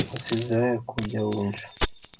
Usizowee kuja unju.